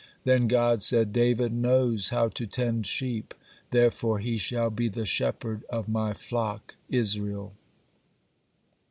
Then God said: "David knows how to tend sheep, therefore he shall be the shepherd of my flock Israel."